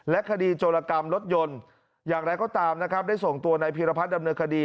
คดีโจรกรรมรถยนต์อย่างไรก็ตามนะครับได้ส่งตัวนายพีรพัฒนดำเนินคดี